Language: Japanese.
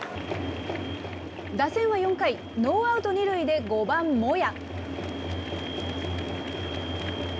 打線は４回、ノーアウト２塁で５番モヤ。